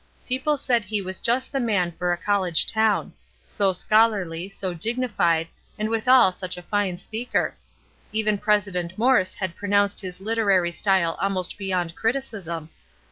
People said he was Just the man for a college town; so scholarly, so dignified, and withal such a fine speaker. Even President Morse had pronounced his literary style almost beyond criticism.